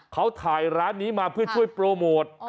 เขาถ่ายร้านนี้มาเพื่อช่วยโปรโมท